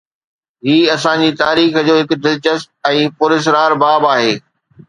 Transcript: هي اسان جي تاريخ جو هڪ دلچسپ ۽ پراسرار باب آهي.